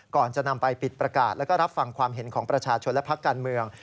ก่อนจะนำไปปิดประกาศแล้วก็รับฟังความเห็นของประชาชนและพักการเมือง